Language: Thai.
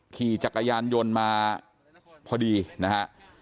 ขี่จักรยานยนต์มาพอดีนะฮะ